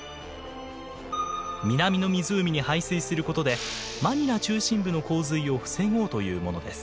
南の湖に排水することでマニラ中心部の洪水を防ごうというものです。